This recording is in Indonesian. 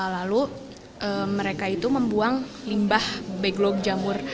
lalu mereka itu membuang limbah backlog jamur